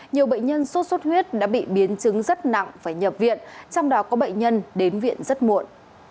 nhiều bệnh nhân sốt xuất huyết đã bị biến chứng rất nặng phải nhập viện trong đó có bệnh nhân đến viện rất muộn